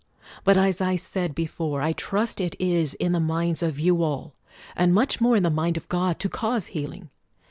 But, as I said before, I trust it is in the minds of you all, and much more in the mind of God, to cause healing.